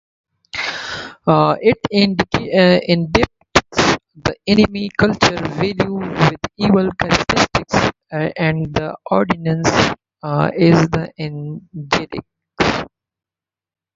It depicts the enemy's cultural values with evil characteristics, and the audience's as angelic.